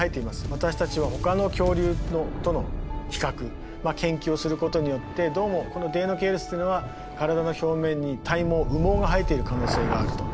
私たちはほかの恐竜との比較研究をすることによってどうもこのデイノケイルスっていうのは体の表面に体毛羽毛が生えている可能性があると。